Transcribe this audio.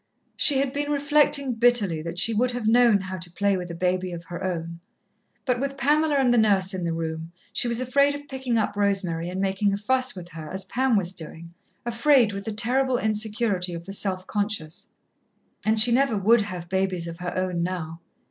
She had been reflecting bitterly that she would have known how to play with a baby of her own. But with Pamela and the nurse in the room, she was afraid of picking up Rosemary and making a fuss with her as Pam was doing, afraid with the terrible insecurity of the self conscious. And she never would have babies of her own now.